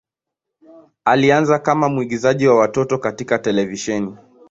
Alianza kama mwigizaji wa watoto katika televisheni.